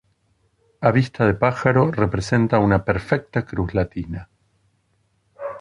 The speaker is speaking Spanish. A vista de pájaro representa una perfecta cruz latina.